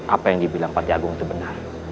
apa yang dibilang pak jagung itu benar